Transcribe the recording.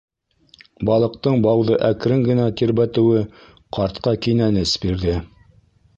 Балыҡтың бауҙы әкрен генә тирбәтеүе ҡартҡа кинәнес бирҙе.